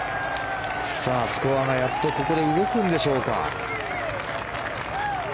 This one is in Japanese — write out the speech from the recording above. スコアがやっとここで動くんでしょうか。